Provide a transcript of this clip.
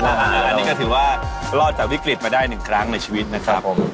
อันนี้ก็ถือว่ารอดจากวิกฤตมาได้๑ครั้งในชีวิตนะครับผม